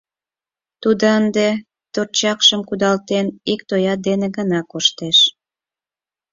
Тудо ынде торчакшым кудалтен, ик тоя дене гына коштеш.